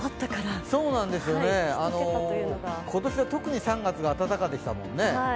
今年は特に３月が暖かでしたからね。